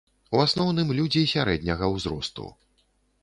У асноўным, людзі сярэдняга ўзросту.